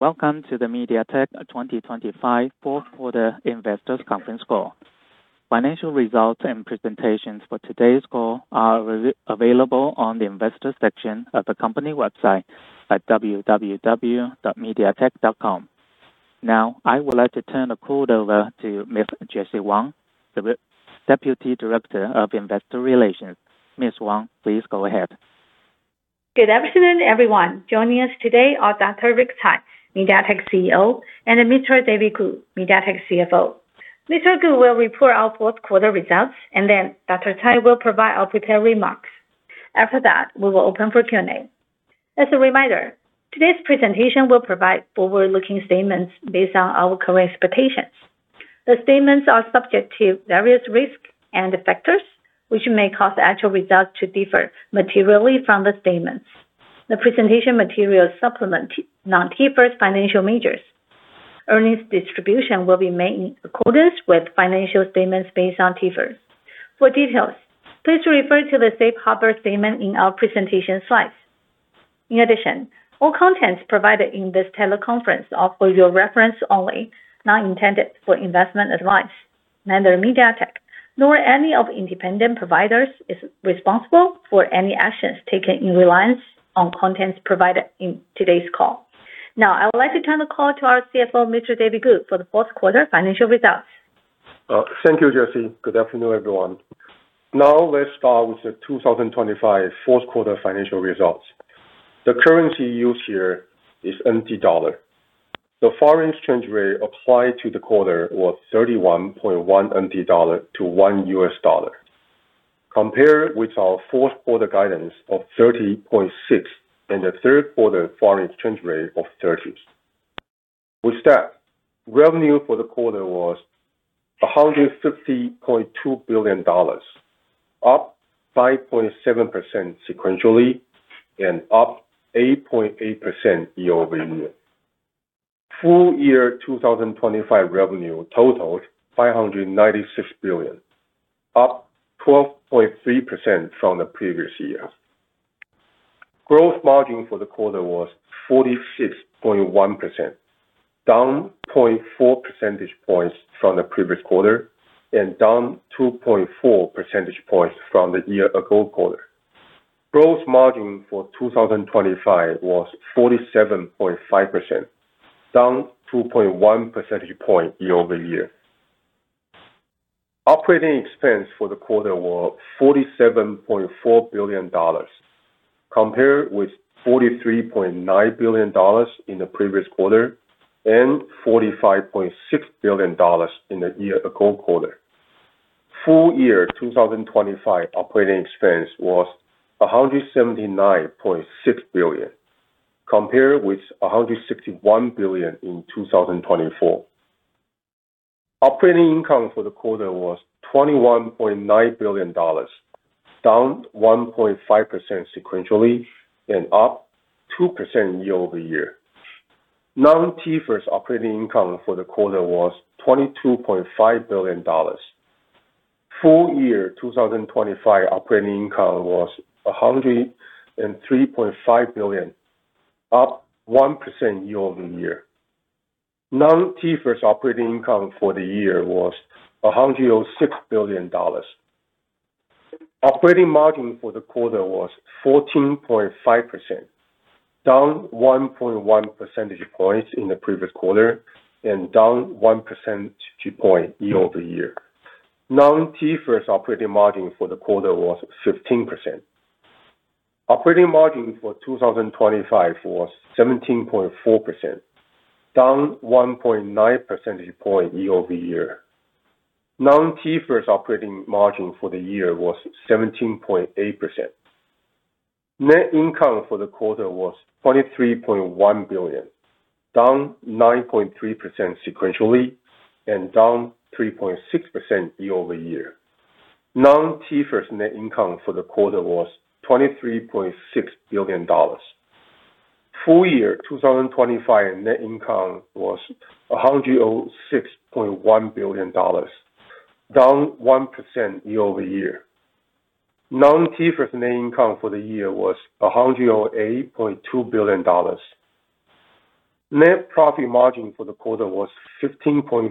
Welcome to the MediaTek 2025 fourth quarter investors conference call. Financial results and presentations for today's call are available on the investor section of the company website at www.mediatek.com. Now, I would like to turn the call over to Ms. Jessie Wang, the Deputy Director of Investor Relations. Ms. Wang, please go ahead. Good afternoon, everyone. Joining us today are Dr. Rick Tsai, MediaTek's CEO, and Mr. David Ku, MediaTek's CFO. Mr. Ku will report our fourth quarter results, and then Dr. Tsai will provide our prepared remarks. After that, we will open for Q&A. As a reminder, today's presentation will provide forward-looking statements based on our current expectations. The statements are subject to various risks and factors, which may cause actual results to differ materially from the statements. The presentation materials supplement non-T-IFRS financial measures. Earnings distribution will be made in accordance with financial statements based on T-IFRS. For details, please refer to the safe harbor statement in our presentation slides. In addition, all content provided in this teleconference are for your reference only, not intended for investment advice. Neither MediaTek nor any of independent providers is responsible for any actions taken in reliance on contents provided in today's call. Now, I would like to turn the call to our CFO, Mr. David Ku, for the fourth quarter financial results. Thank you, Jessie. Good afternoon, everyone. Now let's start with the 2025 fourth quarter financial results. The currency used here is NTD. The foreign exchange rate applied to the quarter was 31.1 NT dollar to $1, compared with our fourth quarter guidance of 30.6 and the third quarter foreign exchange rate of 30. With that, revenue for the quarter was 150.2 billion dollars, up 5.7% sequentially, and up 8.8% year-over-year. Full-year 2025 revenue totaled 596 billion, up 12.3% from the previous year. Gross margin for the quarter was 46.1%, down 0.4 percentage points from the previous quarter and down 2.4 percentage points from the year-ago quarter. Gross margin for 2025 was 47.5%, down 2.1 percentage points year-over-year. Operating expense for the quarter was $47.4 billion, compared with $43.9 billion in the previous quarter and $45.6 billion in the year-ago quarter. Full year 2025 operating expense was 179.6 billion, compared with 161 billion in 2024. Operating income for the quarter was 21.9 billion dollars, down 1.5% sequentially and up 2% year-over-year. Non-T-IFRS operating income for the quarter was $22.5 billion. Full year 2025 operating income was $103.5 billion, up 1% year-over-year. Non-T-IFRS operating income for the year was 106 billion dollars. Operating margin for the quarter was 14.5%, down 1.1 percentage points in the previous quarter and down 1 percentage point year-over-year. Non-T-IFRS operating margin for the quarter was 15%. Operating margin for 2025 was 17.4%, down 1.9 percentage point year-over-year. Non-T-IFRS operating margin for the year was 17.8%. Net income for the quarter was TWD 23.1 billion, down 9.3% sequentially and down 3.6% year-over-year. Non-T-IFRS net income for the quarter was 23.6 billion dollars. Full year 2025 net income was 106.1 billion dollars, down 1% year-over-year. Non-T-IFRS net income for the year was NTD 108.2 billion. Net profit margin for the quarter was 15.4%,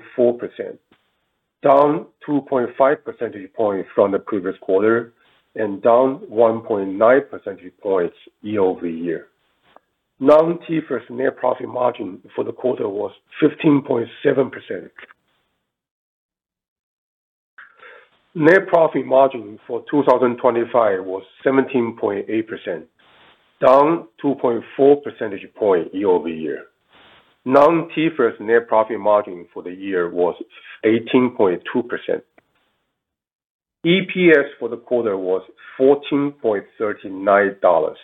down 2.5 percentage points from the previous quarter and down 1.9 percentage points year-over-year. Non-T-IFRS net profit margin for the quarter was 15.7%. Net profit margin for 2025 was 17.8%, down 2.4 percentage point year-over-year. Non-T-IFRS net profit margin for the year was 18.2%. EPS for the quarter was 14.39 dollars,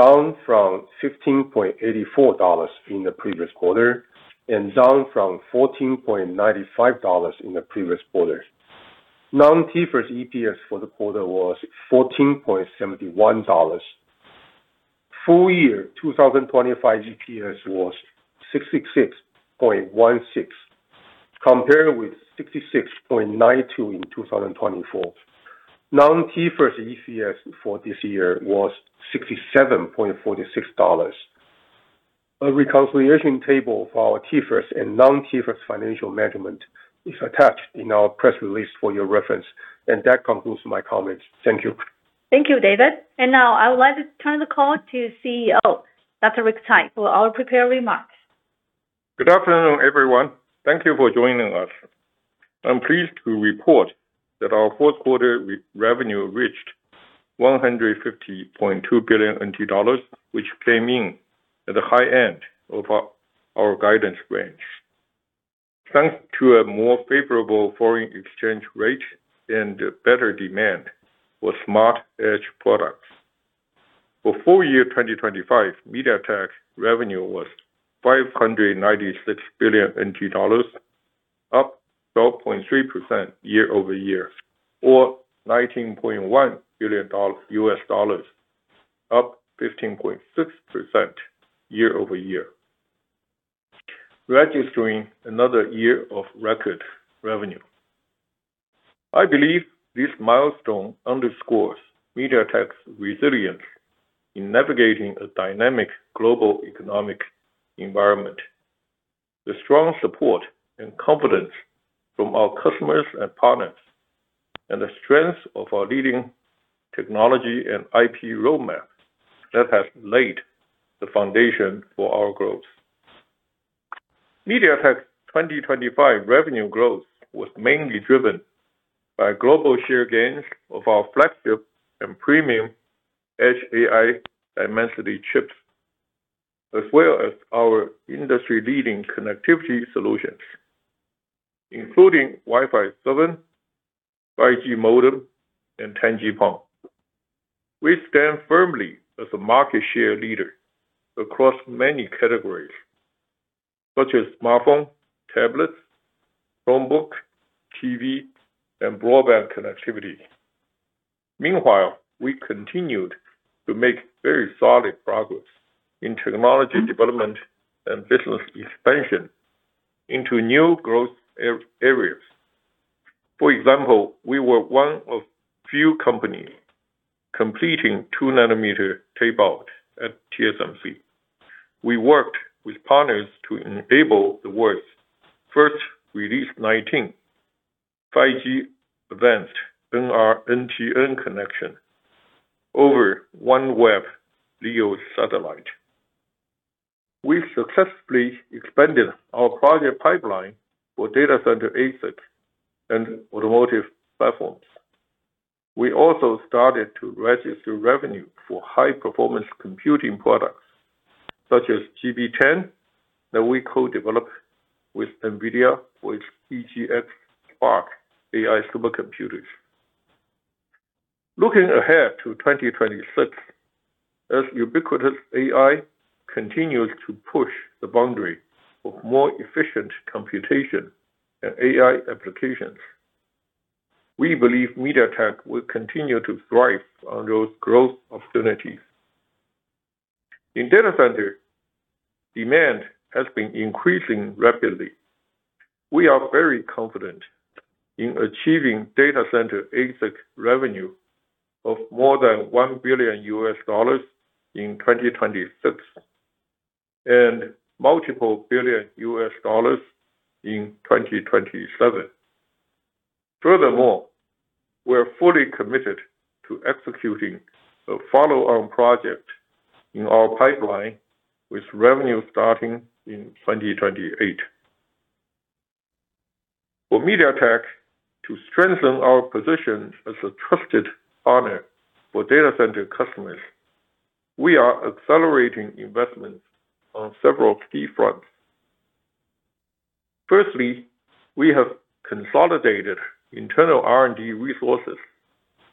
down from 15.84 dollars in the previous quarter and down from 14.95 dollars in the previous quarter. Non-T-IFRS EPS for the quarter was 14.71 dollars. Full year 2025 EPS was 66.16 compared with 66.92 in 2024. Non-T-IFRS EPS for this year was 67.46 dollars. A reconciliation table for our T-IFRS and non-T-IFRS financial measurement is attached in our press release for your reference. And that concludes my comments. Thank you. Thank you, David. And now I would like to turn the call to CEO, Dr. Rick Tsai, for our prepared remarks. Good afternoon, everyone. Thank you for joining us. I'm pleased to report that our fourth quarter revenue reached 150.2 billion, which came in at the high end of our guidance range. Thanks to a more favorable foreign exchange rate and better demand for smart edge products. For full year 2025, MediaTek's revenue was 596 billion NT dollars, up 12.3% year-over-year, or TWD 19.1 billion, up 15.6% year-over-year, registering another year of record revenue. I believe this milestone underscores MediaTek's resilience in navigating a dynamic global economic environment. The strong support and confidence from our customers and partners, and the strength of our leading technology and IP roadmap, that has laid the foundation for our growth. MediaTek's 2025 revenue growth was mainly driven by global share gains of our flagship and premium Dimensity chips, as well as our industry-leading connectivity solutions, including Wi-Fi 7, 5G modem, and 10G-PON. We stand firmly as a market share leader across many categories, such as smartphone, tablets, Chromebook, TV, and broadband connectivity. Meanwhile, we continued to make very solid progress in technology development and business expansion into new growth areas. For example, we were one of few companies completing 2nm tape out at TSMC. We worked with partners to enable the world's first Release 19, 5G-Advanced NR NTN connection over OneWeb LEO satellite. We successfully expanded our project pipeline for data center ASIC and automotive platforms. We also started to register revenue for high performance computing products, such as GB10, that we co-developed with NVIDIA, for its DGX Spark AI supercomputers. Looking ahead to 2026, as ubiquitous AI continues to push the boundary of more efficient computation and AI applications, we believe MediaTek will continue to thrive on those growth opportunities. In data center, demand has been increasing rapidly. We are very confident in achieving data center ASIC revenue of more than $1 billion in 2026, and multiple billion US dollars in 2027. Furthermore, we're fully committed to executing a follow-on project in our pipeline, with revenue starting in 2028. For MediaTek, to strengthen our position as a trusted partner for data center customers, we are accelerating investments on several key fronts. Firstly, we have consolidated internal R&D resources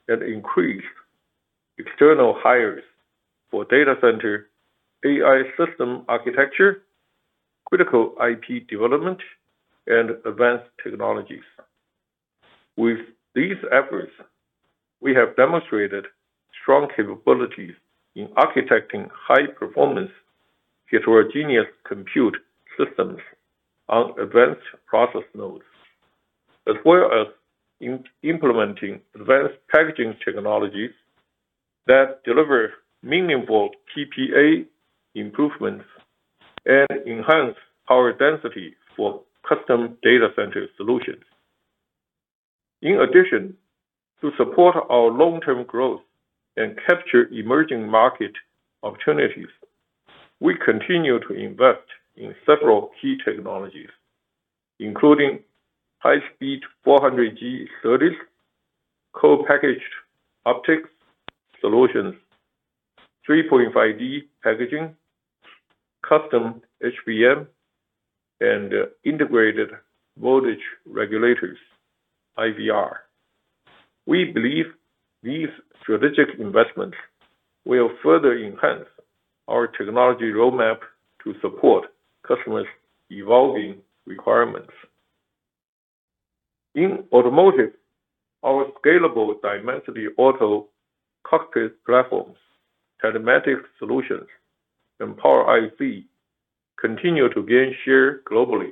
and increased external hires for data center, AI system architecture, critical IP development, and advanced technologies. With these efforts, we have demonstrated strong capabilities in architecting high-performance heterogeneous compute systems on advanced process nodes. As well as implementing advanced packaging technologies that deliver meaningful PPA improvements and enhance power density for custom data center solutions. In addition, to support our long-term growth and capture emerging market opportunities, we continue to invest in several key technologies, including high-speed 400G SerDes, co-packaged optics solutions, 3.5D packaging, custom HBM, and integrated voltage regulators, IVR. We believe these strategic investments will further enhance our technology roadmap to support customers' evolving requirements. In automotive, our scalable Dimensity Auto Cockpit platforms, telematics solutions, and power IC continue to gain share globally.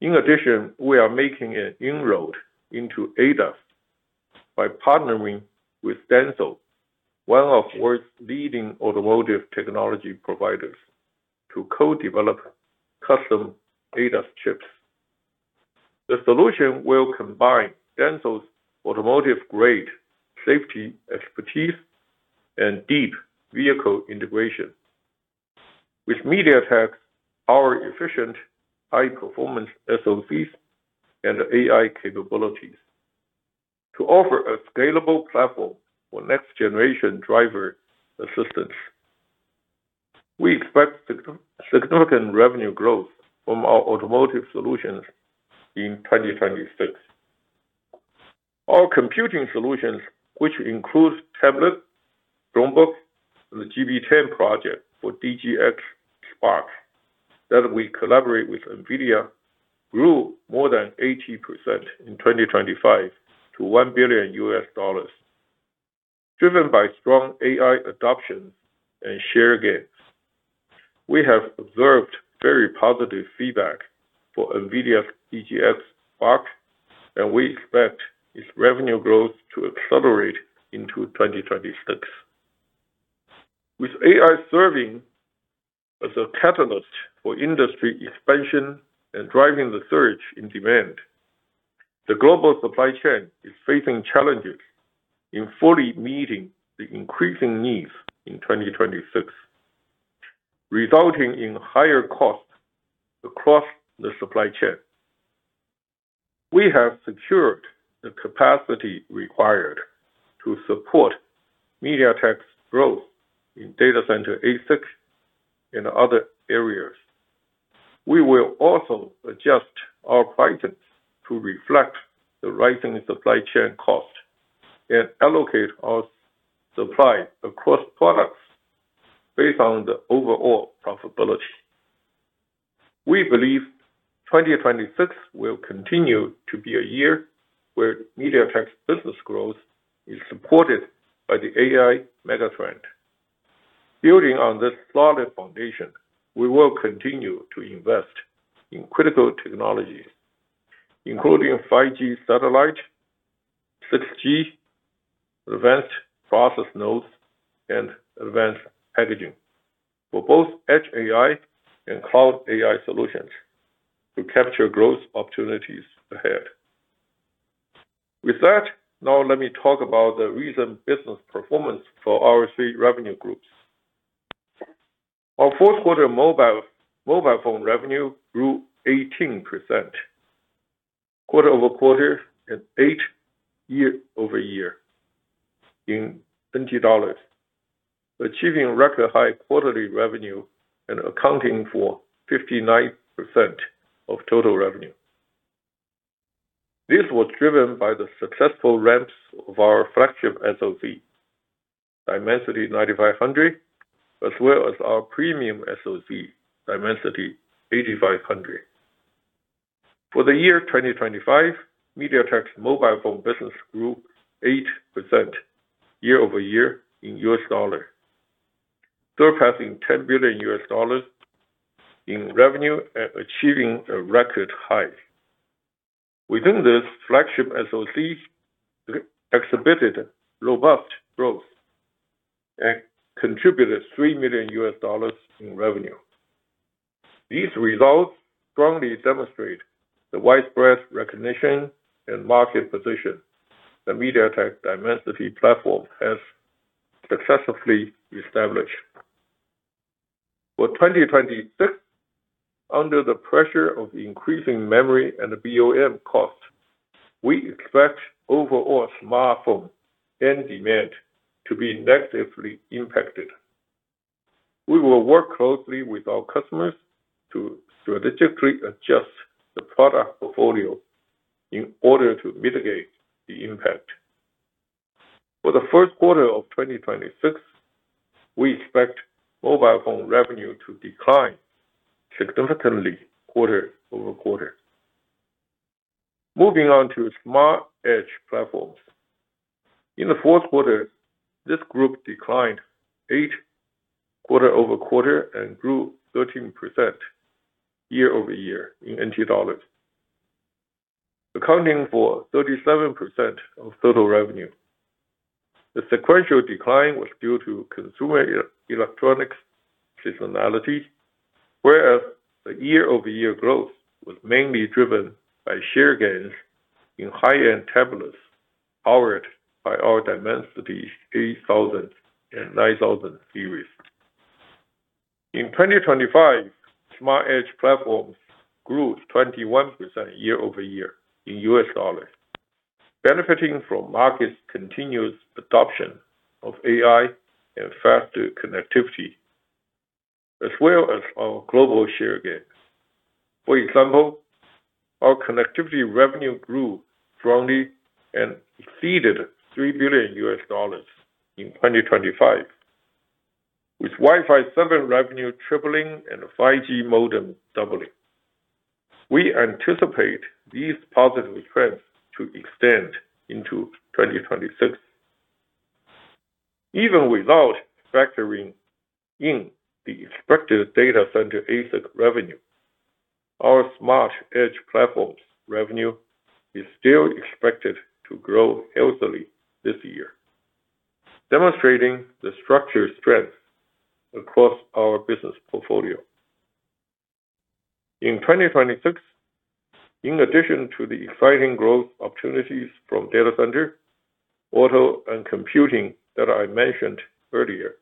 In addition, we are making an inroad into ADAS by partnering with DENSO, one of the world's leading automotive technology providers, to co-develop custom ADAS chips. The solution will combine Denso's automotive-grade safety expertise and deep vehicle integration. With MediaTek's, our efficient high performance SoCs and AI capabilities to offer a scalable platform for next generation driver assistance. We expect significant revenue growth from our automotive solutions in 2026. Our computing solutions, which includes tablet, Chromebook, and the GB10 project for DGX Spark, that we collaborate with NVIDIA, grew more than 80% in 2025 to $1 billion, driven by strong AI adoption and share gains. We have observed very positive feedback for NVIDIA's DGX Spark, and we expect its revenue growth to accelerate into 2026. With AI serving as a catalyst for industry expansion and driving the surge in demand, the global supply chain is facing challenges in fully meeting the increasing needs in 2026, resulting in higher costs across the supply chain. We have secured the capacity required to support MediaTek's growth in data center ASIC and other areas. We will also adjust our prices to reflect the rising supply chain cost and allocate our supply across products based on the overall profitability. We believe 2026 will continue to be a year where MediaTek's business growth is supported by the AI mega trend. Building on this solid foundation, we will continue to invest in critical technologies, including 5G satellite, 6G advanced process nodes, and advanced packaging for both edge AI and cloud AI solutions to capture growth opportunities ahead. With that, now let me talk about the recent business performance for our three revenue groups. Our fourth quarter Mobile Phone revenue grew 18% quarter-over-quarter and 8% year-over-year in NTD, achieving record high quarterly revenue and accounting for 59% of total revenue. This was driven by the successful ramps of our flagship SoC, Dimensity 9500, as well as our premium SoC, Dimensity 8500. For the year 2025, MediaTek's Mobile Phone business grew 8% year-over-year in US dollar, surpassing $10 billion in revenue and achieving a record high. Within this, flagship SoCs exhibited robust growth and contributed $3 million in revenue. These results strongly demonstrate the widespread recognition and market position that MediaTek Dimensity platform has successfully established. For 2026, under the pressure of increasing memory and BOM costs, we expect overall smartphone and demand to be negatively impacted. We will work closely with our customers to strategically adjust the product portfolio in order to mitigate the impact. For the first quarter of 2026, we expect Mobile Phone revenue to decline significantly quarter-over-quarter. Moving on to Smart Edge Platforms. In the fourth quarter, this group declined eight quarter-over-quarter and grew 13% year-over-year in NTD, accounting for 37% of total revenue. The sequential decline was due to consumer electronics seasonality, whereas the year-over-year growth was mainly driven by share gains in high-end tablets, powered by our Dimensity 8000 and 9000 series. In 2025, Smart Edge Platforms grew 21% year-over-year in US dollars, benefiting from market's continuous adoption of AI and faster connectivity, as well as our global share gains. For example, our connectivity revenue grew strongly and exceeded $3 billion in 2025. With Wi-Fi 7 revenue tripling and the 5G modem doubling. We anticipate these positive trends to extend into 2026. Even without factoring in the expected data center ASIC revenue, our Smart Edge Platforms revenue is still expected to grow healthily this year, demonstrating the structured strength across our business portfolio. In 2026, in addition to the exciting growth opportunities from data center, auto, and computing that I mentioned earlier,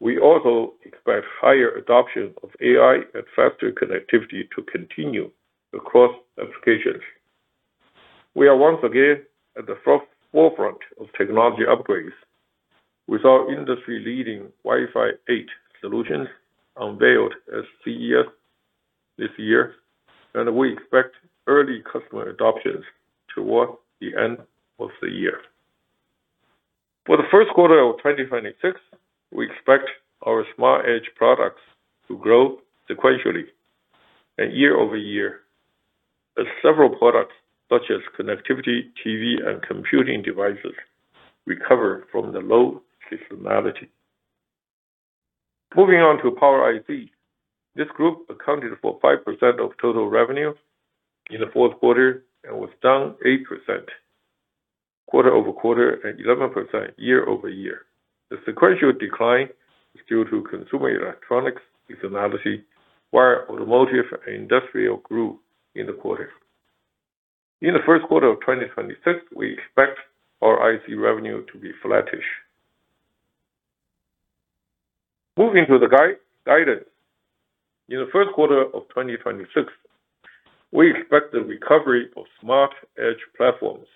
we also expect higher adoption of AI and faster connectivity to continue across applications. We are once again at the forefront of technology upgrades with our industry-leading Wi-Fi 8 solutions unveiled at CES this year, and we expect early customer adoptions towards the end of the year. For the first quarter of 2026, we expect our smart edge products to grow sequentially and year-over-year, as several products, such as connectivity, TV, and computing devices, recover from the low seasonality. Moving on to Power IC, this group accounted for 5% of total revenue in the fourth quarter and was down 8% quarter-over-quarter and 11% year-over-year. The sequential decline is due to consumer electronics seasonality, while automotive and industrial grew in the quarter. In the first quarter of 2026, we expect our IC revenue to be flattish. Moving to the guidance. In the first quarter of 2026, we expect the recovery of Smart Edge Platforms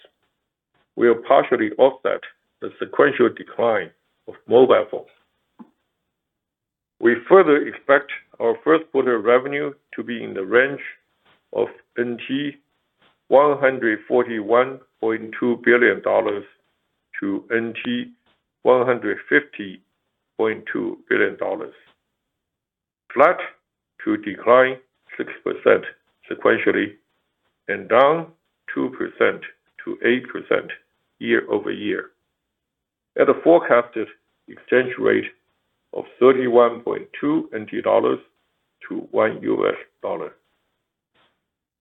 will partially offset the sequential decline of Mobile Phones. We further expect our first quarter revenue to be in the range of 141.2 billion-150.2 billion dollars, flat to decline 6% sequentially and down 2%-8% year-over-year, at a forecasted exchange rate of 31.2 NT dollars to $1.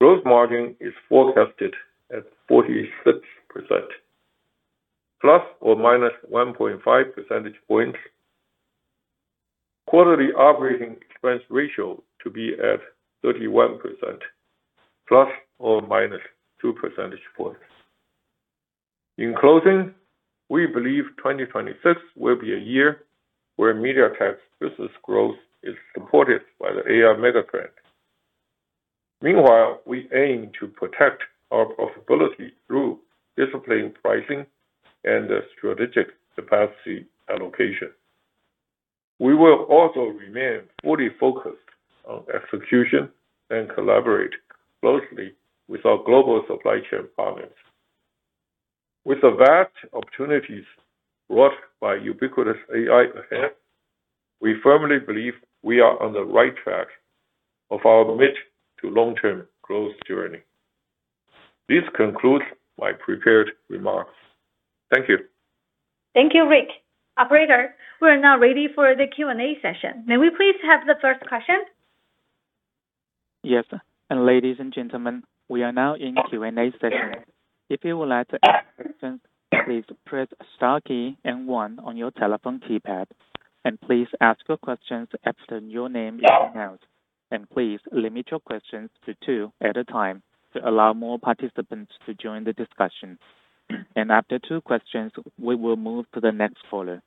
Gross margin is forecasted at 46%, ±1.5 percentage points. Quarterly operating expense ratio to be at 31%, ±2 percentage points. In closing, we believe 2026 will be a year where MediaTek's business growth is supported by the AI mega trend. Meanwhile, we aim to protect our profitability through disciplined pricing and strategic capacity allocation. We will also remain fully focused on execution and collaborate closely with our global supply chain partners. With the vast opportunities brought by ubiquitous AI ahead, we firmly believe we are on the right track of our mid to long-term growth journey. This concludes my prepared remarks. Thank you. Thank you, Rick. Operator, we are now ready for the Q&A session. May we please have the first question? Yes. And ladies and gentlemen, we are now in Q&A session. If you would like to ask a question, please press star key and one on your telephone keypad, and please ask your questions after your name is announced. And please limit your questions to two at a time, to allow more participants to join the discussion. And after two questions, we will move to the next caller.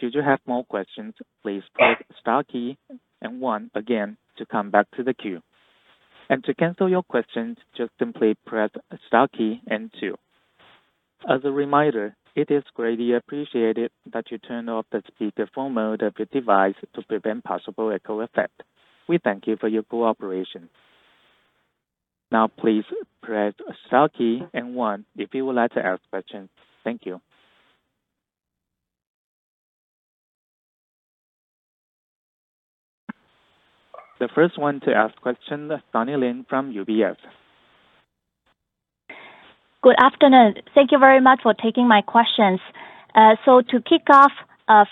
Should you have more questions, please press star key and one again to come back to the queue. And to cancel your questions, just simply press star key and two. As a reminder, it is greatly appreciated that you turn off the speakerphone mode of your device to prevent possible echo effect. We thank you for your cooperation. Now, please press star key and one if you would like to ask questions. Thank you. The first one to ask question, Sunny Lin from UBS. Good afternoon. Thank you very much for taking my questions. So to kick off,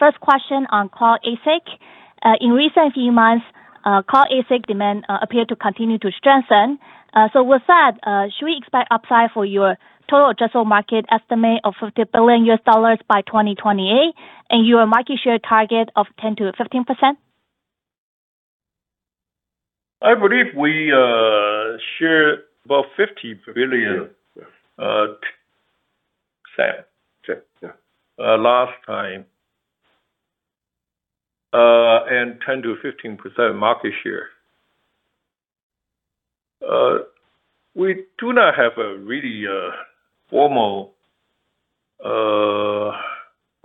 first question on Cloud ASIC. In recent few months, Cloud ASIC demand appeared to continue to strengthen. So with that, should we expect upside for your total addressable market estimate of $50 billion by 2028, and your market share target of 10%-15%? I believe we shared about $50 billion last time, and 10%-15% market share. We do not have a really formal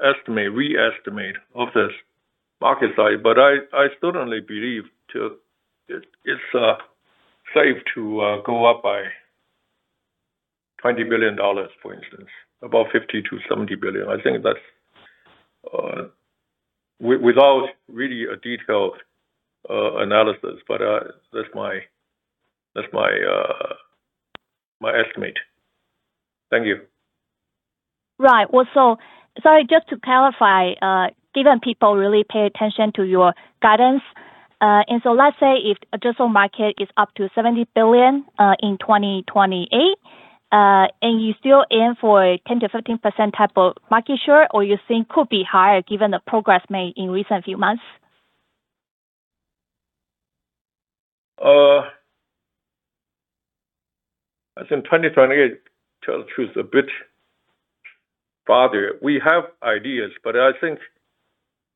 estimate, re-estimate of this market size, but I certainly believe to it, it's safe to go up by $20 billion, for instance, about $50 billion-$70 billion. I think that's without really a detailed analysis, but that's my estimate. Thank you. Right. Well, so sorry, just to clarify, given people really pay attention to your guidance. And so let's say if addressable market is up to $70 billion in 2028, and you're still in for a 10%-13% type of market share, or you think could be higher given the progress made in recent few months? I think in 2028, to tell the truth, a bit farther. We have ideas, but I think,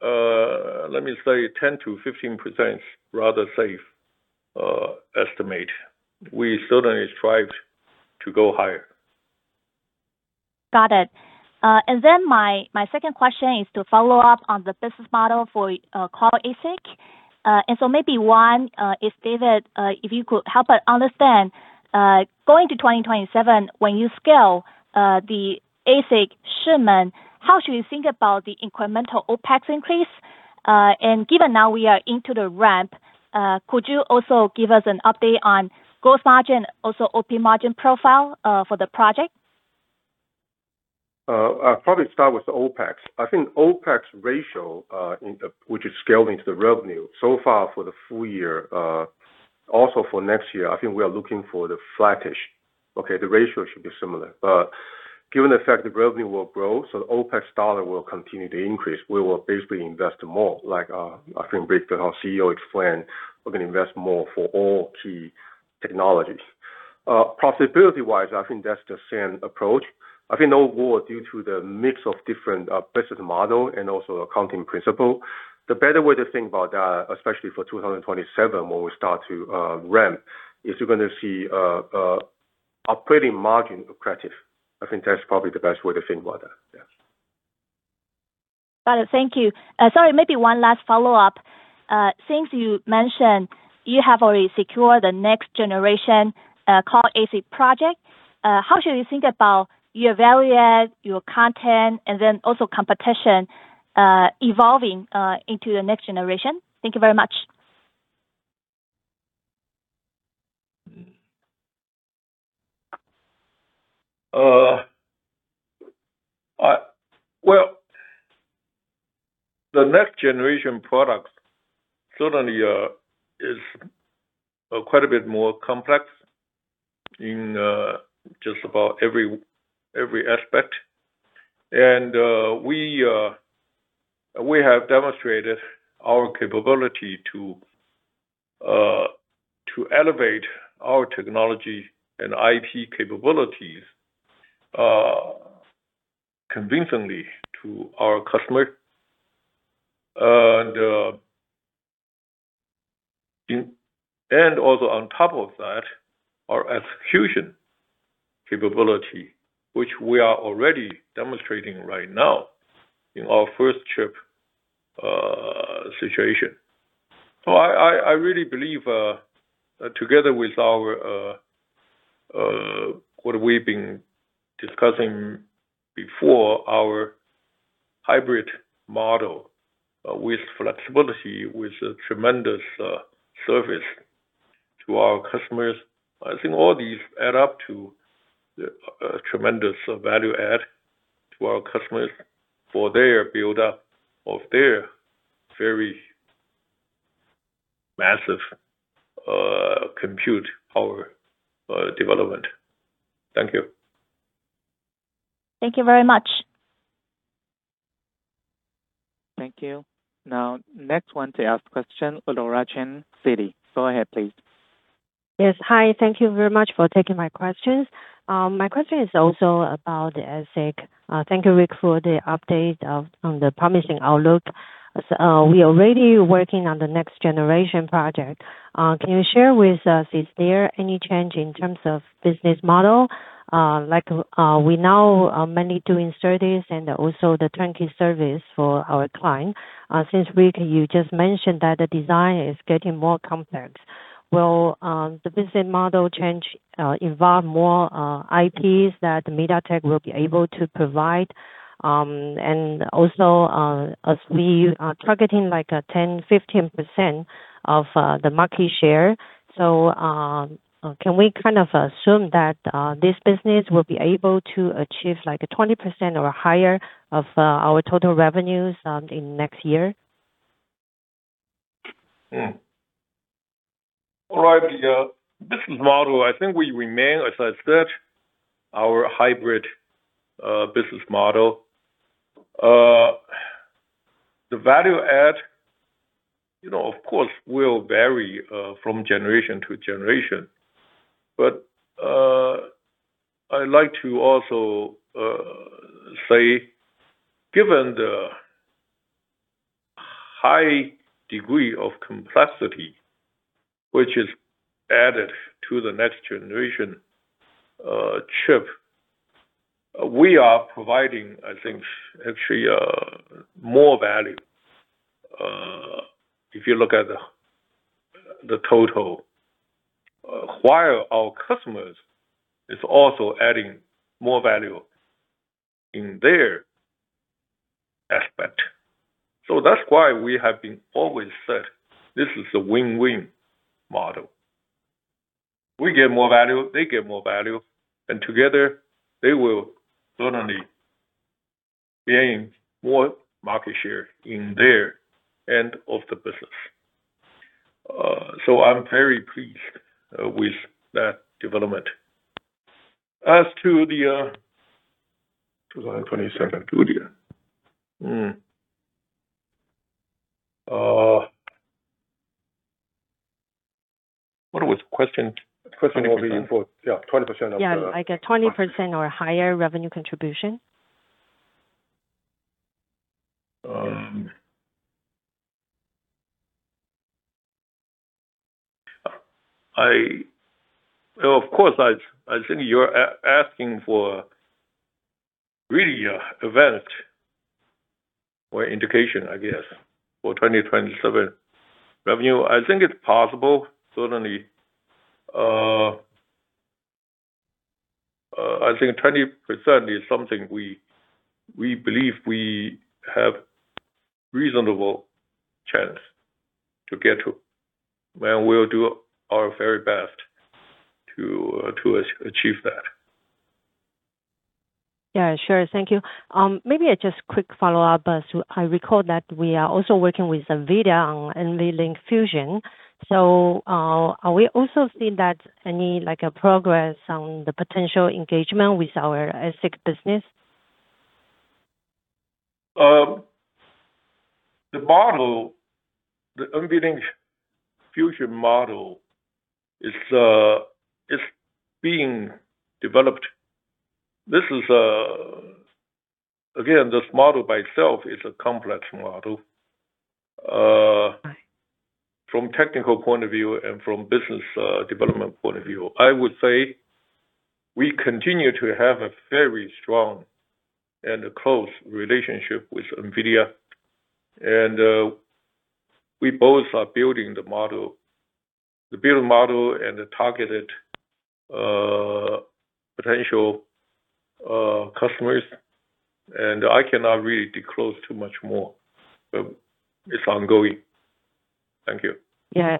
let me say 10%-15% is rather safe, estimate. We certainly strive to go higher. Got it. And then my second question is to follow up on the business model for core ASIC. And so maybe one is, David, if you could help us understand going to 2027, when you scale the ASIC shipment, how should we think about the incremental OpEx increase? And given now we are into the ramp, could you also give us an update on gross margin, also OP margin profile, for the project? I'll probably start with the OpEx. I think OpEx ratio, in which is scaled into the revenue so far for the full year, also for next year, I think we are looking for the flattish. Okay? The ratio should be similar. Given the fact the revenue will grow, so the OpEx dollar will continue to increase. We will basically invest more, like, I think Rick, our CEO, explained we're gonna invest more for all key technologies. Profitability-wise, I think that's the same approach. I think overall, due to the mix of different, business model and also accounting principle, the better way to think about that, especially for 2027, when we start to ramp, is you're gonna see, operating margin accretive. I think that's probably the best way to think about that. Yeah. Got it. Thank you. Sorry, maybe one last follow-up. Since you mentioned you have already secured the next generation, called ASIC project, how should we think about your value add, your content, and then also competition, evolving, into the next generation? Thank you very much. Well, the next generation product certainly is quite a bit more complex in just about every aspect. And we have demonstrated our capability to elevate our technology and IP capabilities convincingly to our customer. And also on top of that, our execution capability, which we are already demonstrating right now in our first chip situation. So I really believe, together with our what we've been discussing before, our hybrid model with flexibility, with a tremendous service to our customers, I think all these add up to a tremendous value add to our customers for their build-up of their very massive compute power development. Thank you. Thank you very much. Thank you. Now, next one to ask question, Laura Chen, Citi. Go ahead, please. Yes. Hi, thank you very much for taking my questions. My question is also about ASIC. Thank you, Rick, for the update on the promising outlook. We are already working on the next generation project. Can you share with us, is there any change in terms of business model? Like, we now are mainly doing studies and also the turnkey service for our client. Since, Rick, you just mentioned that the design is getting more complex, will the business model change involve more IPs that MediaTek will be able to provide? And also, as we are targeting like a 10%-15% of the market share. Can we kind of assume that this business will be able to achieve like a 20% or higher of our total revenues in next year? All right. The business model, I think we remain, as I said, our hybrid business model. The value add, you know, of course, will vary from generation to generation, but I'd like to also say, given the high degree of complexity which is added to the next generation chip, we are providing, I think, actually more value. If you look at the total, while our customers is also adding more value in their aspect. So that's why we have been always said, this is a win-win model. We get more value, they get more value, and together they will certainly gain more market share in their end of the business. So I'm very pleased with that development. As to the 2027, good year. What was the question? Question will be for, yeah, 20% of the- Yeah, I guess 20% or higher revenue contribution. Of course, I think you're asking for really event or indication, I guess, for 2027 revenue. I think it's possible, certainly. I think 20% is something we believe we have reasonable chance to get to, and we'll do our very best to achieve that. Yeah, sure. Thank you. Maybe just quick follow-up, as I recall, that we are also working with NVIDIA on NVLink Fusion. So, are we also seeing that any, like, a progress on the potential engagement with our ASIC business? The model, the NVLink Fusion model, is, is being developed. This is. Again, this model by itself is a complex model, from technical point of view and from business, development point of view. I would say, we continue to have a very strong and a close relationship with NVIDIA, and we both are building the model. The build model and the targeted, potential, customers, and I cannot really disclose too much more, but it's ongoing. Thank you. Yeah.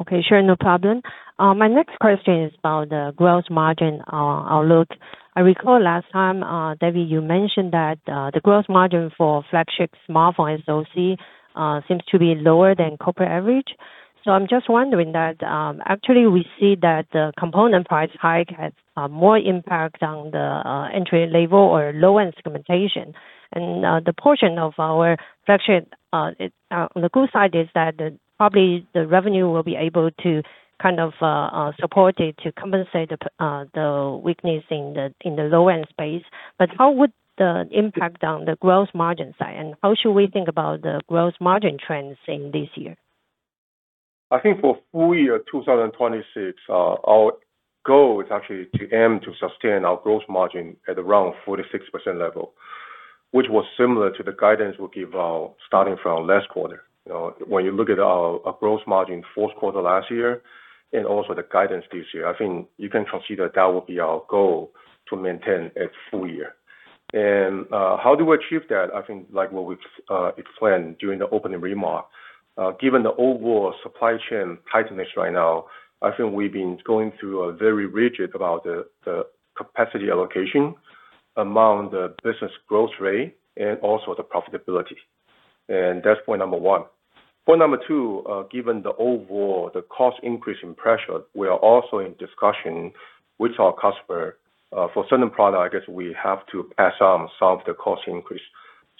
Okay, sure. No problem. My next question is about the gross margin outlook. I recall last time, David, you mentioned that the gross margin for flagship smartphone SoC seems to be lower than corporate average. So I'm just wondering that, actually we see that the component price hike has more impact on the entry level or low-end segmentation. And the portion of our flagship on the good side is that the, probably the revenue will be able to kind of support it to compensate the weakness in the low-end space. But how would the impact on the gross margin side, and how should we think about the gross margin trends in this year? I think for full year 2026, our goal is actually to aim to sustain our growth margin at around 46% level, which was similar to the guidance we gave our, starting from our last quarter. You know, when you look at our, our growth margin fourth quarter last year and also the guidance this year, I think you can consider that will be our goal to maintain at full year. And, how do we achieve that? I think, like what we've explained during the opening remark, given the overall supply chain tightness right now, I think we've been going through a very rigid about the, the capacity allocation among the business growth rate and also the profitability, and that's point number one. Point number two, given the overall, the cost increase in pressure, we are also in discussion with our customer. For certain product, I guess we have to pass on some of the cost increase.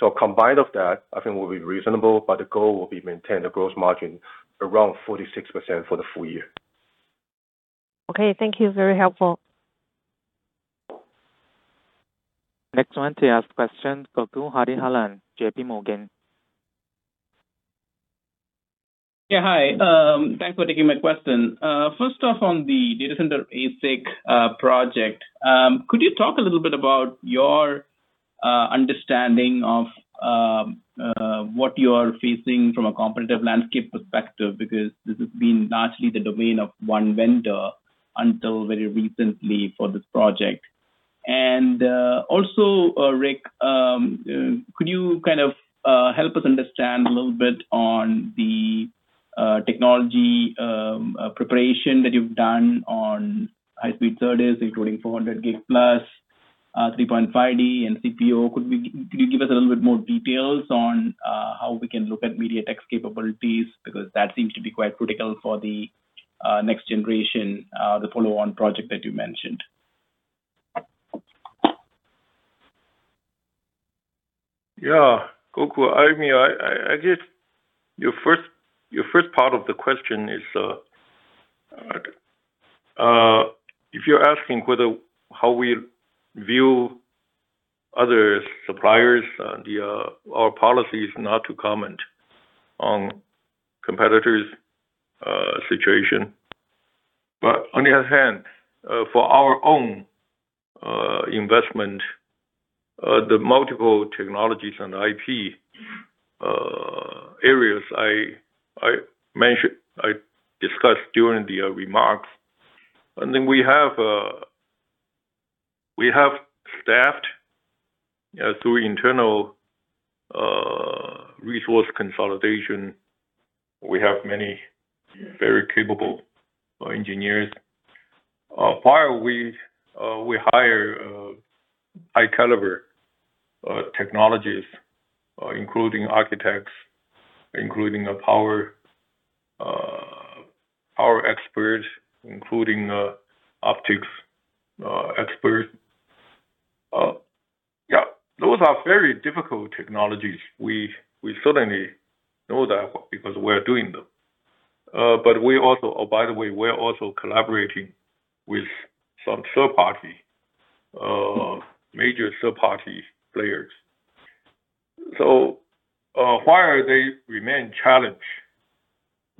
So combined of that, I think we'll be reasonable, but the goal will be maintain the growth margin around 46% for the full year. Okay. Thank you. Very helpful. Next one to ask question, Gokul Hariharan, JPMorgan. Yeah, hi. Thanks for taking my question. First off, on the data center ASIC project, could you talk a little bit about your understanding of what you are facing from a competitive landscape perspective? Because this has been largely the domain of one vendor until very recently for this project. And also, Rick, could you kind of help us understand a little bit on the technology preparation that you've done on high-speed SerDes, including 400G plus, 3.5D and CPO? Can you give us a little bit more details on how we can look at MediaTek's capabilities? Because that seems to be quite critical for the next generation, the follow-on project that you mentioned. Yeah. Goku, I mean, I guess your first part of the question is if you're asking whether how we view other suppliers, our policy is not to comment on competitors' situation. But on the other hand, for our own investment, the multiple technologies and IP areas I mentioned, I discussed during the remarks. And then we have staffed through internal resource consolidation. We have many very capable engineers. While we hire high caliber technologies, including architects, including a power expert, including optics expert. Yeah, those are very difficult technologies. We certainly know that because we're doing them. But we also. Oh, by the way, we're also collaborating with some third party major third party players. So, while they remain challenged,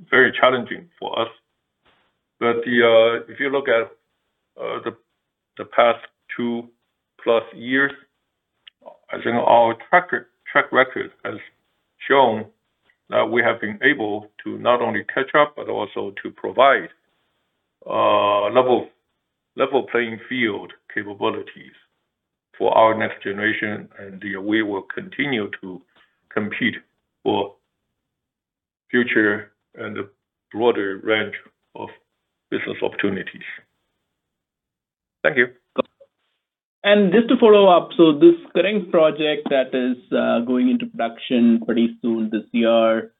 very challenging for us, but if you look at the past two plus years, I think our track record has shown that we have been able to not only catch up, but also to provide level playing field capabilities for our next generation. We will continue to compete for future and a broader range of business opportunities. Thank you. Just to follow up, so this current project that is going into production pretty soon this year,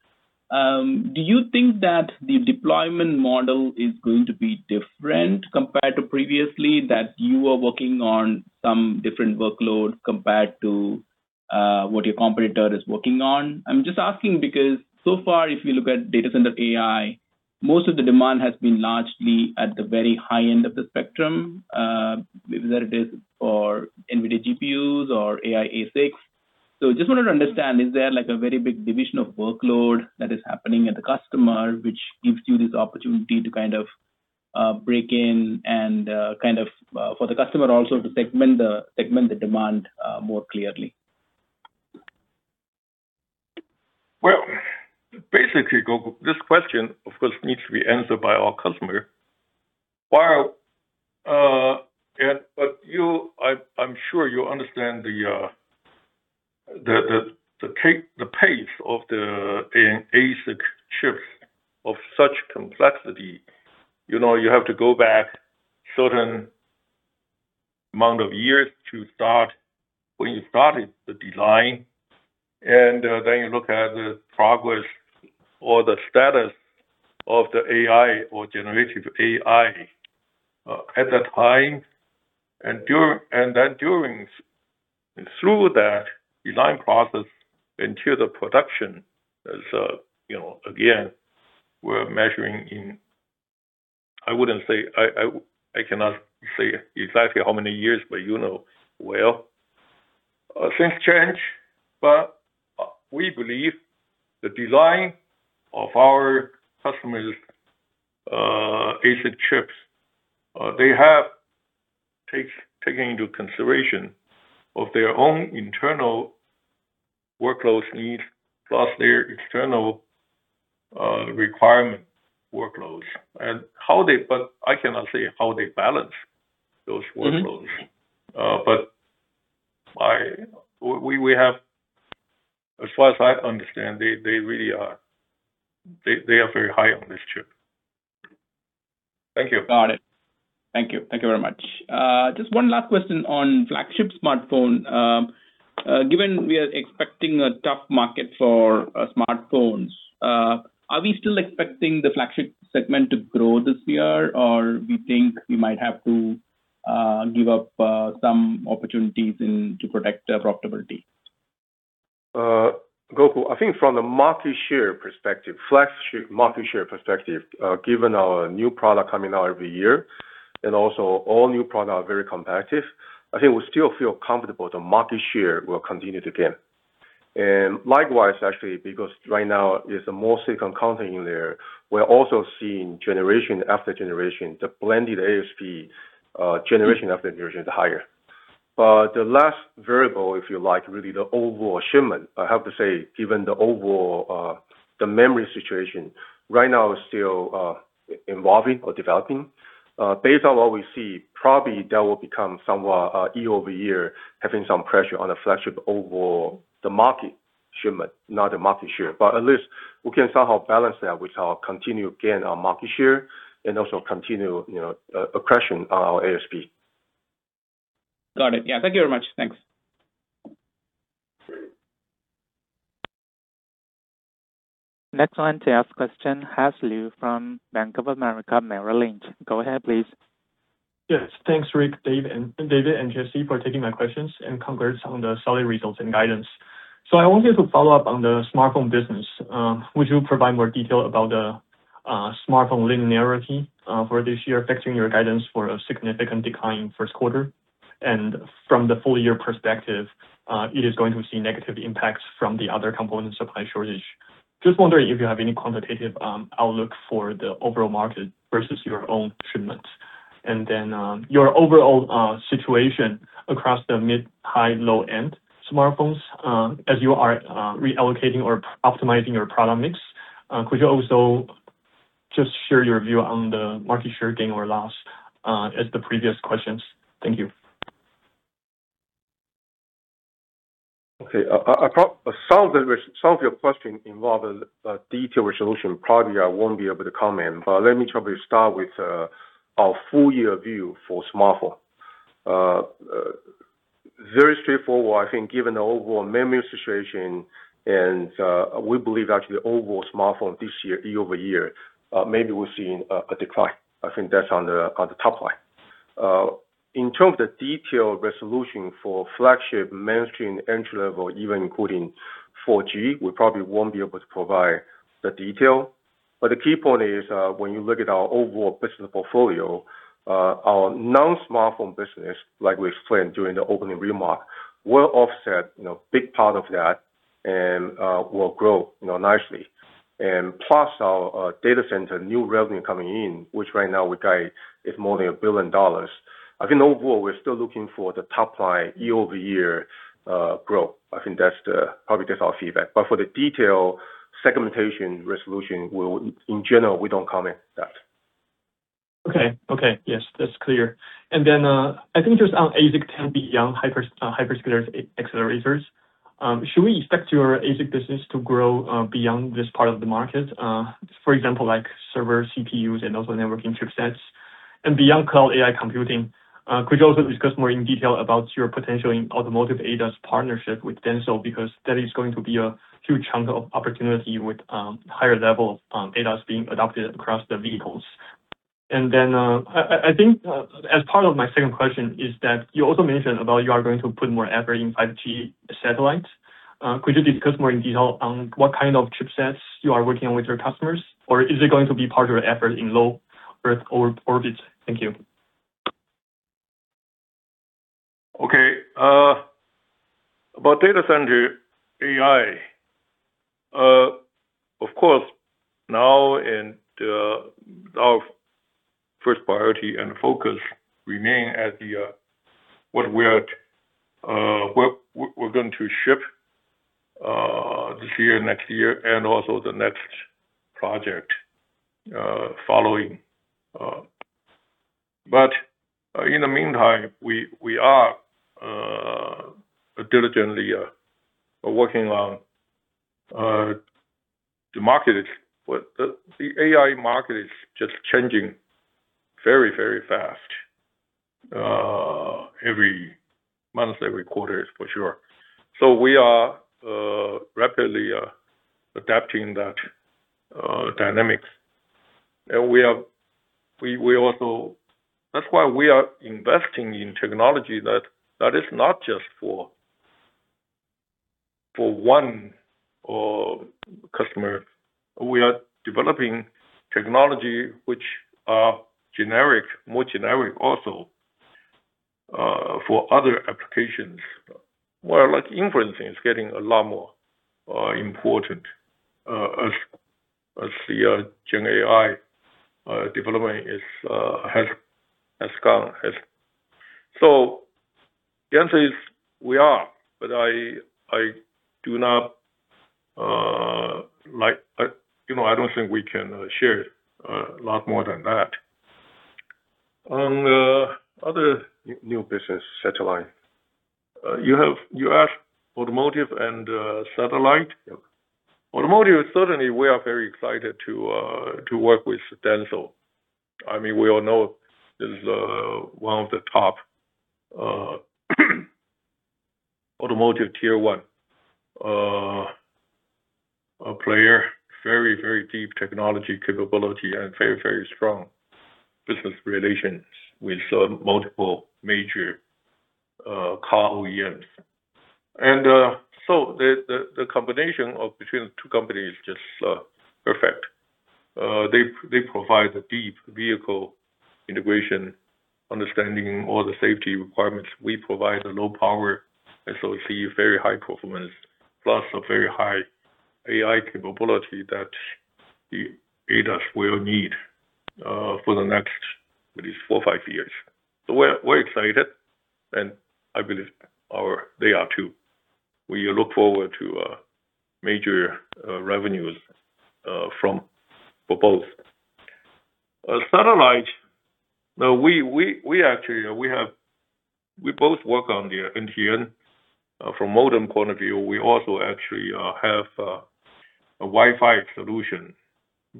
do you think that the deployment model is going to be different compared to previously that you were working on some different workload compared to what your competitor is working on? I'm just asking because so far, if you look at data center AI, most of the demand has been largely at the very high end of the spectrum, whether it is for NVIDIA GPUs or AI ASICs. So just wanted to understand, is there like a very big division of workload that is happening at the customer, which gives you this opportunity to kind of break in and kind of for the customer also to segment the demand more clearly? Well, basically, Goku, this question of course needs to be answered by our customer. I'm sure you understand the pace of the ASIC chips of such complexity. You know, you have to go back certain amount of years to start when you started the design, and then you look at the progress or the status of the AI or generative AI at that time. Then during through that design process into the production, as you know, again, we're measuring in. I wouldn't say I cannot say exactly how many years, but you know well. Things change, but we believe the design of our customers ASIC chips they have taken into consideration of their own internal workloads needs, plus their external requirement workloads. But I cannot say how they balance those workloads. But we have, as far as I understand, they really are very high on this chip. Thank you. Got it. Thank you. Thank you very much. Just one last question on flagship smartphone. Given we are expecting a tough market for smartphones, are we still expecting the flagship segment to grow this year, or we think we might have to give up some opportunities in to protect the profitability? Goku, I think from the market share perspective, flagship market share perspective, given our new product coming out every year and also all new product are very competitive, I think we still feel comfortable the market share will continue to gain. And likewise, actually, because right now is the more second content in there, we're also seeing generation after generation, the blended ASP, generation after generation, the higher. But the last variable, if you like, really the overall shipment, I have to say, given the overall, the memory situation right now is still evolving or developing. Based on what we see, probably that will become somewhat, year-over-year, having some pressure on the flagship overall, the market shipment, not the market share. At least we can somehow balance that with our continued gain on market share and also continue, you know, aggression on our ASP. Got it. Yeah. Thank you very much. Thanks. Next one to ask question, Hao Liu from Bank of America Merrill Lynch. Go ahead, please. Yes. Thanks, Rick, Dave, and David and Jessie, for taking my questions, and congrats on the solid results and guidance. So I want you to follow up on the smartphone business. Would you provide more detail about the smartphone linearity for this year, affecting your guidance for a significant decline in first quarter? And from the full year perspective, it is going to see negative impacts from the other component supply shortage. Just wondering if you have any quantitative outlook for the overall market versus your own shipment. And then, your overall situation across the mid, high, low-end smartphones, as you are reallocating or optimizing your product mix. Could you also just share your view on the market share gain or loss, as the previous questions? Thank you. Okay. Some of the, some of your questions involve a detailed resolution, probably I won't be able to comment. But let me probably start with our full year view for smartphone. Very straightforward, I think given the overall memory situation and we believe actually the overall smartphone this year, year-over-year, maybe we're seeing a decline. I think that's on the top line. In terms of the detailed resolution for flagship, mainstream, entry-level, even including 4G, we probably won't be able to provide the detail. But the key point is, when you look at our overall business portfolio, our non-smartphone business, like we explained during the opening remark, will offset, you know, big part of that and will grow, you know, nicely. Plus, our data center new revenue coming in, which right now we guide is more than 1 billion dollars. I think overall, we're still looking for the top line year-over-year growth. I think that's the, probably that's our feedback. But for the detail segmentation resolution, we'll, in general, we don't comment that. Okay. Okay. Yes, that's clear. And then, I think just on ASIC and beyond hyperscaler accelerators, should we expect your ASIC business to grow, beyond this part of the market? For example, like server CPUs and also networking chipsets and beyond cloud AI computing. Could you also discuss more in detail about your potential in automotive ADAS partnership with DENSO? Because that is going to be a huge chunk of opportunity with, higher level, ADAS being adopted across the vehicles. And then, I think, as part of my second question is that you also mentioned about you are going to put more effort in 5G satellite. Could you discuss more in detail on what kind of chipsets you are working on with your customers, or is it going to be part of your effort in low Earth orbit? Thank you. Okay. About data center AI, of course, now and, our first priority and focus remain at the, what we're going to ship, this year, next year, and also the next project, following... But in the meantime, we are diligently working on the market. But the AI market is just changing very, very fast, every monthly, every quarter, for sure. So we are rapidly adapting that dynamics. That's why we are investing in technology that is not just for one customer. We are developing technology which are generic, more generic also, for other applications, where, like, inferencing is getting a lot more important, as the GenAI development is has gone. So the answer is, we are, but I do not. You know, I don't think we can share a lot more than that. On the other new business, satellite. You have. You asked automotive and satellite? Automotive, certainly, we are very excited to work with Denso. I mean, we all know this is one of the top automotive Tier 1 player. Very deep technology capability and very strong business relations with multiple major car OEMs. So the combination between the two companies is just perfect. They provide the deep vehicle integration, understanding all the safety requirements. We provide the low power, and so we see very high performance, plus a very high AI capability that the ADAS will need for the next, at least four or five years. So we're excited, and I believe our--they are too. We look forward to major revenues from both. Satellite, now we actually, we both work on the NTN. From modem point of view, we also actually have a Wi-Fi solution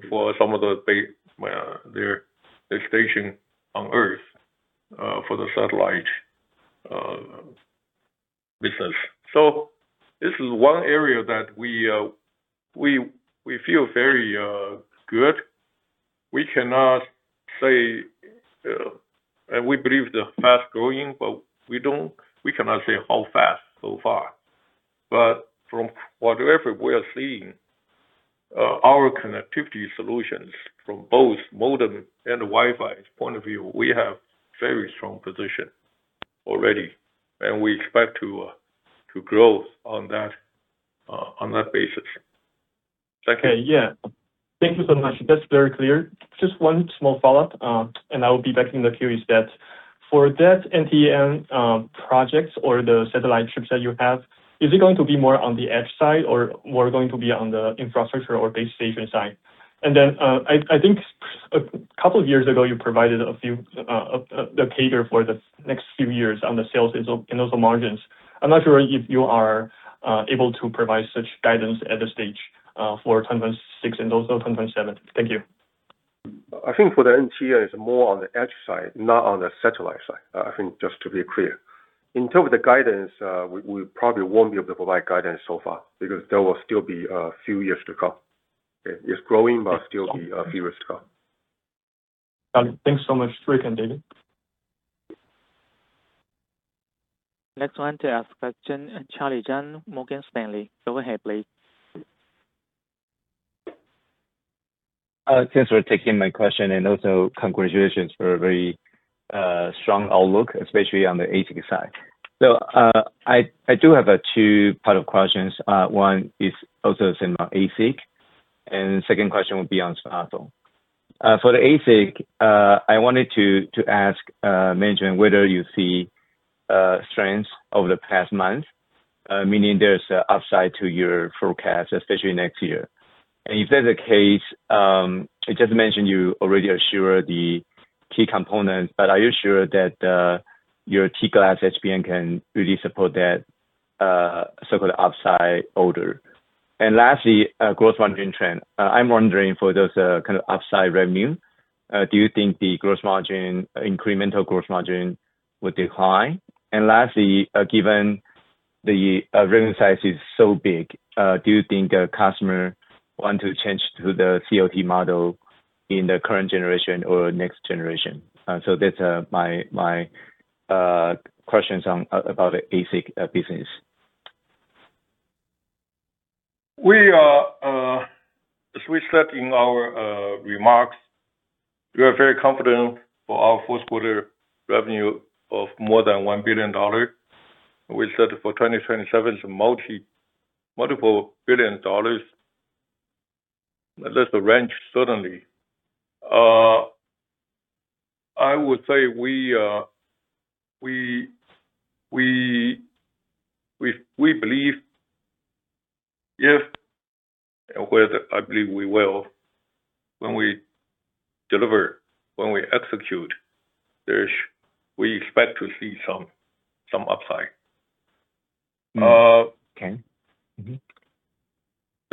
for some of the base stations on Earth for the satellite business. So this is one area that we feel very good. We cannot say. We believe they're fast growing, but we don't, we cannot say how fast so far. But from whatever we are seeing, our connectivity solutions from both modem and Wi-Fi point of view, we have very strong position already, and we expect to grow on that basis. Okay, yeah. Thank you so much. That's very clear. Just one small follow-up, and I will be back in the queue. Is that, for that NTN projects or the satellite chips that you have, is it going to be more on the edge side or more going to be on the infrastructure or base station side? And then, I think a couple of years ago, you provided a few that cater for the next few years on the sales and also margins. I'm not sure if you are able to provide such guidance at this stage for 2026 and also 2027. Thank you. I think for the NTN is more on the edge side, not on the satellite side, I think just to be clear. In terms of the guidance, we probably won't be able to provide guidance so far because there will still be a few years to come. It's growing, but still be a few years to come. Got it. Thanks so much. Back to you, David. Next one to ask question, Charlie Chan, Morgan Stanley. Go ahead, please. Thanks for taking my question, and also congratulations for a very strong outlook, especially on the ASIC side. So I do have a two-part questions. One is also about ASIC, and the second question will be on Spark. For the ASIC, I wanted to mention whether you see strengths over the past month, meaning there's an upside to your forecast, especially next year. And if that's the case, you just mentioned you already assured the key components, but are you sure that your TSMC HBM can really support that so-called upside order? And lastly, gross margin trend. I'm wondering for those kind of upside revenue, do you think the gross margin, incremental gross margin would decline? And lastly, given the revenue size is so big, do you think the customer want to change to the COT model in the current generation or next generation? So that's my questions about ASIC business. We are, as we said in our remarks, we are very confident for our fourth quarter revenue of more than $1 billion. We said for 2027, it's multiple billion dollars. That's the range, certainly. I would say we are, we believe if, and whether I believe we will, when we deliver, when we execute, there's we expect to see some upside. Okay.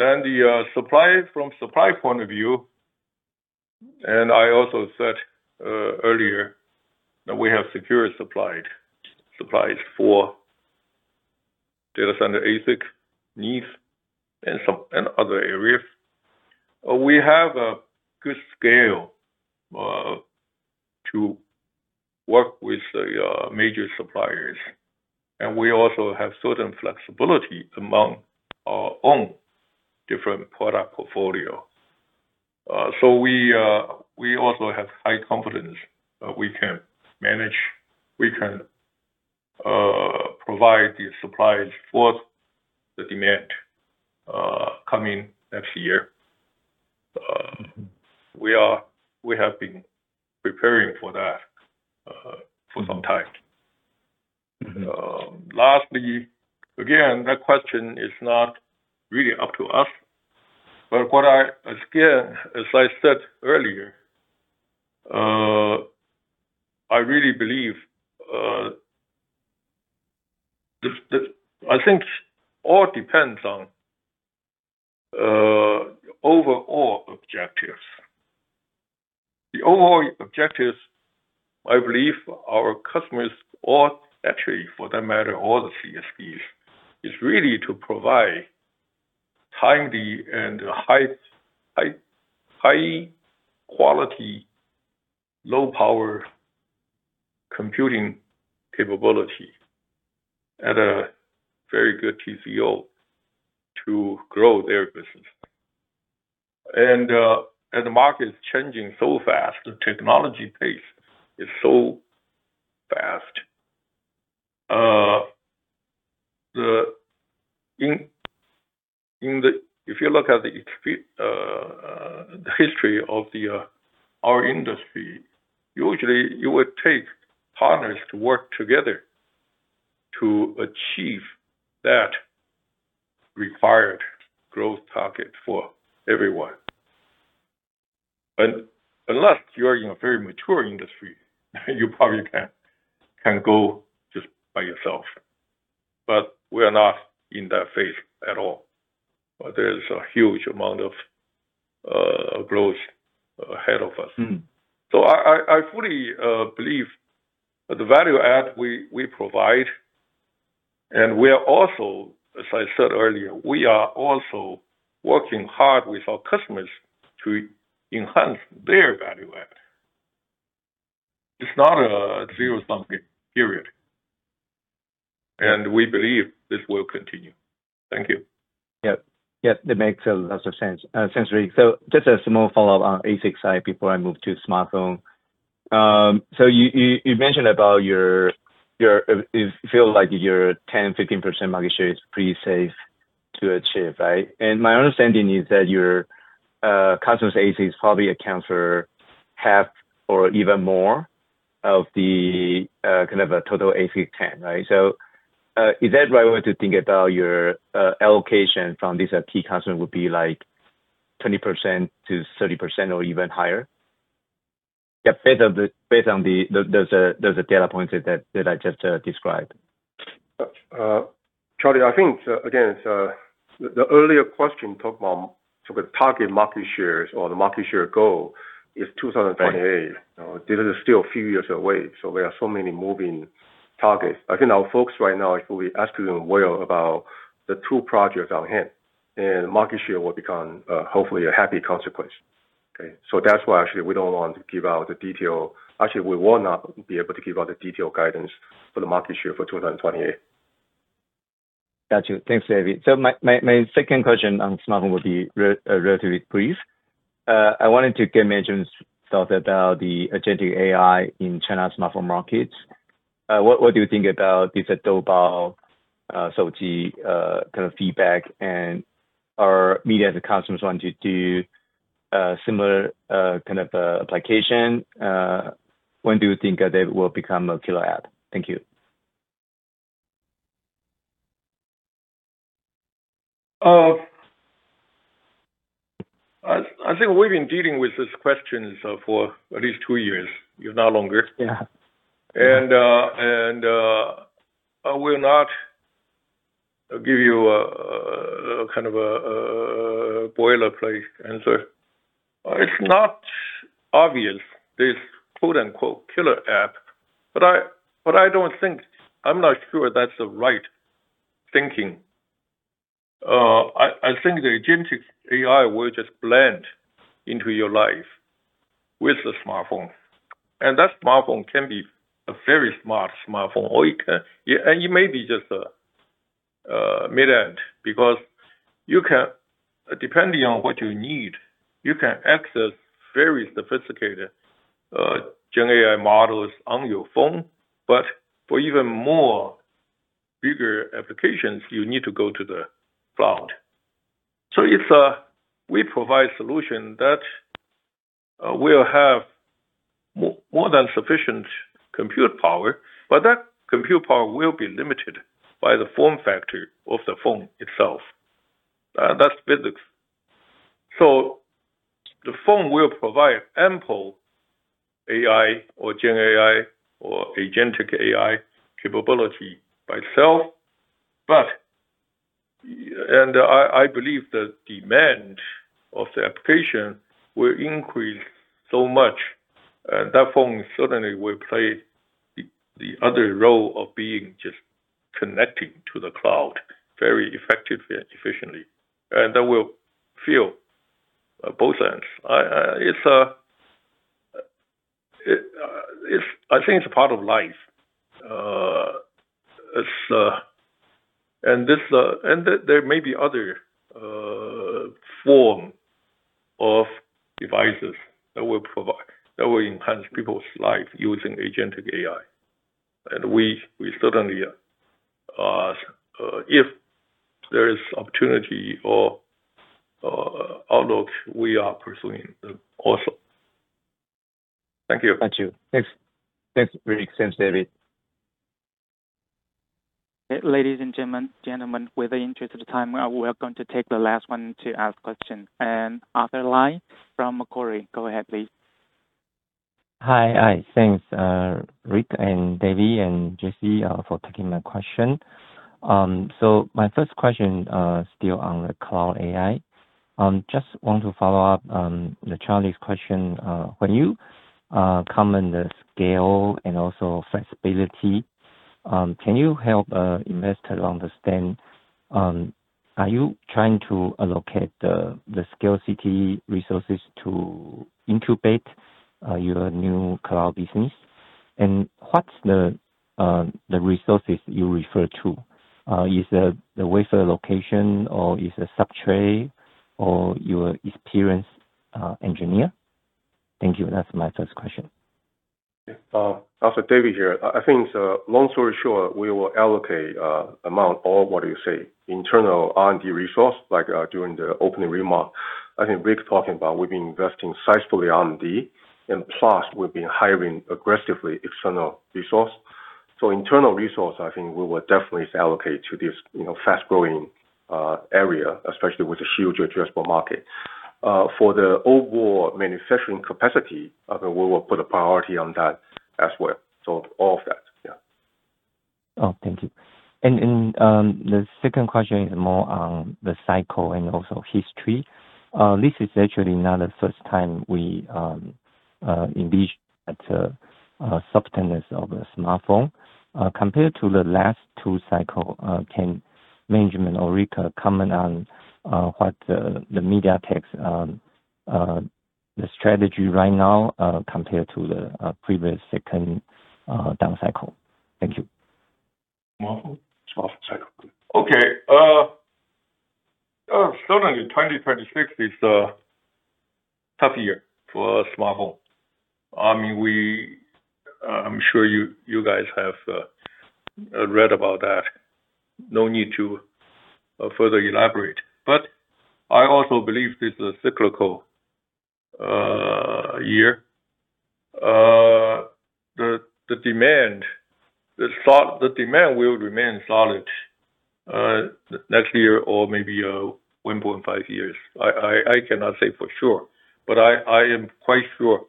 Then the supply, from supply point of view, and I also said earlier that we have secured supplies for data center ASIC needs and some other areas. We have a good scale to work with the major suppliers, and we also have certain flexibility among our own different product portfolio. So we also have high confidence that we can manage, we can provide the supplies for the demand coming next year. We have been preparing for that for some time. Lastly, again, that question is not really up to us, but again, as I said earlier, I really believe, I think all depends on overall objectives. The overall objectives, I believe our customers, or actually for that matter, all the CSPs, is really to provide timely and high quality, low power computing capability at a very good TCO to grow their business. And, as the market is changing so fast, the technology pace is so fast, if you look at the history of our industry, usually it would take partners to work together to achieve that required growth target for everyone. But unless you are in a very mature industry, you probably can go just by yourself, but we are not in that phase at all. There is a huge amount of growth ahead of us. I fully believe that the value add we provide, and we are also, as I said earlier, working hard with our customers to enhance their value add. It's not a zero-sum game, period. We believe this will continue. Thank you. Yep. Yep, that makes a lot of sense, Rick. So just a small follow-up on ASIC side before I move to smartphone. So you mentioned about your you feel like your 10%-15% market share is pretty safe to achieve, right? And my understanding is that your customers ASICs probably account for half or even more of the kind of a total ASIC TAM, right? So is that right way to think about your allocation from these key customers would be like 20%-30% or even higher? Yeah, based on those data points that I just described. Charlie, I think, again, so the earlier question talked about sort of target market shares or the market share goal is 2028. You know, this is still a few years away, so there are so many moving targets. I think our folks right now, if we ask them well about the two projects on hand, and market share will become, hopefully a happy consequence. Okay? So that's why actually we don't want to give out the detail. Actually, we will not be able to give out the detailed guidance for the market share for 2028. Got you. Thanks, David. So my second question on smartphone will be relatively brief. I wanted to get management's thought about the agentic AI in China smartphone markets. What do you think about this Doubao such kind of feedback and our media and customers want to do similar kind of application. When do you think that they will become a killer app? Thank you. I think we've been dealing with this question, so for at least two years, if not longer. Yeah. I will not give you a kind of a boilerplate answer. It's not obvious, this “killer app,” but I don't think—I'm not sure that's the right thinking. I think the agentic AI will just blend into your life with the smartphone, and that smartphone can be a very smart smartphone, or it can... And it may be just a mid-end, because you can, depending on what you need, you can access very sophisticated GenAI models on your phone, but for even more bigger applications, you need to go to the cloud. So it's we provide solution that will have more than sufficient compute power, but that compute power will be limited by the form factor of the phone itself. That's physics. So the phone will provide ample AI or GenAI or agentic AI capability by itself, but and I believe the demand of the application will increase so much, and that phone certainly will play the other role of being just connecting to the cloud very effectively, efficiently, and that will fill both ends. I think it's a part of life. And there may be other form of devices that will provide, that will enhance people's life using agentic AI. And we certainly, if there is opportunity or outlook, we are pursuing them also. Thank you. Thank you. Thanks. Thanks, Rick. Thanks, David. Ladies and gentlemen, with the interest of time, we are going to take the last one to ask question. Arthur Lai from Macquarie. Go ahead, please. Hi. Hi. Thanks, Rick and David and Jessie, for taking my question. So my first question, still on the cloud AI. Just want to follow up on Charlie's question. When you comment the scale and also flexibility, can you help investors understand, are you trying to allocate the, the skill city resources to incubate your new cloud business? And what's the, the resources you refer to? Is it the wafer location, or is it subtrade or your experienced engineer? Thank you. That's my first question. Arthur, David here. I think, long story short, we will allocate amount or what you say, internal R&D resource, like during the opening remark. I think Rick's talking about we've been investing sizable R&D and plus we've been hiring aggressively external resource. So internal resource, I think we will definitely allocate to this, you know, fast-growing area, especially with the huge addressable market. For the overall manufacturing capacity, I mean, we will put a priority on that as well. So all of that, yeah. Oh, thank you. The second question is more on the cycle and also history. This is actually not the first time we envisioned the subtleties of the smartphone. Compared to the last two cycles, can management or Rick comment on what the MediaTek's strategy right now, compared to the previous second down cycle? Thank you. Okay. Certainly 2026 is a tough year for smartphone. I'm sure you, you guys have read about that. No need to further elaborate. But I also believe this is a cyclical year. The demand will remain solid next year or maybe 1.5 years. I cannot say for sure, but I am quite sure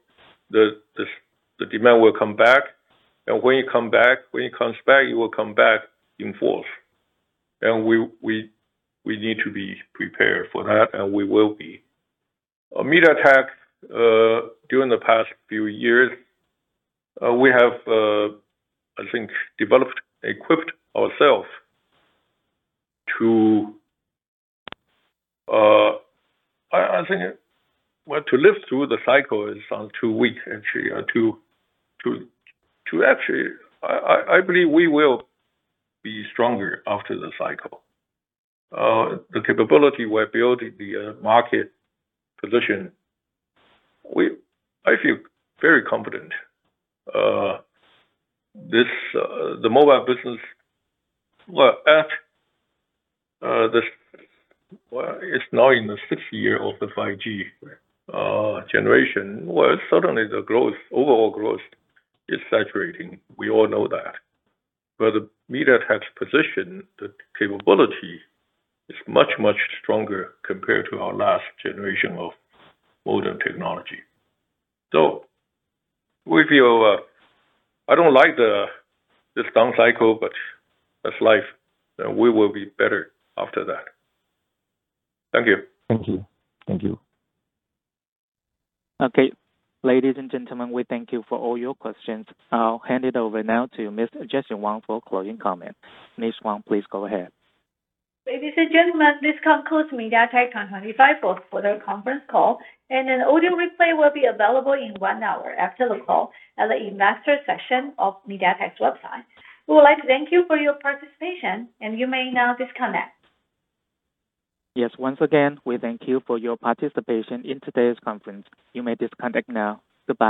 the demand will come back. And when it come back, when it comes back, it will come back in force, and we need to be prepared for that, and we will be. MediaTek during the past few years we have I think developed, equipped ourselves to... I think, well, to live through the cycle is too weak actually, or to actually, I believe we will be stronger after the cycle. The capability we're building, the market position, I feel very confident. The mobile business, well, at the, well, it's now in the sixth year of the 5G generation, where certainly the growth, overall growth is saturating. We all know that. But the MediaTek's position, the capability, is much, much stronger compared to our last generation of modem technology. I don't like this down cycle, but that's life, and we will be better after that. Thank you. Thank you. Thank you. Okay, ladies and gentlemen, we thank you for all your questions. I'll hand it over now to Ms. Jessie Wang for closing comments. Ms. Wang, please go ahead. Ladies and gentlemen, this concludes MediaTek 2025 fourth quarter conference call, and an audio replay will be available in one hour after the call at the Investor section of MediaTek's website. We would like to thank you for your participation, and you may now disconnect. Yes. Once again, we thank you for your participation in today's conference. You may disconnect now. Goodbye.